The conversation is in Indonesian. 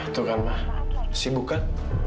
tuh kan ma sibuk kan